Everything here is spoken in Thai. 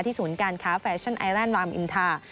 ศูนย์การค้าแฟชั่นไอแลนดรามอินทา